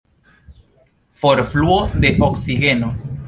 Forfluo de oksigeno.